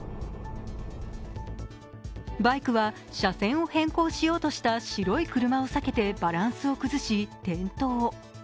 バイクは車線を変更しようとした白い車を避けてバランスを崩し転倒。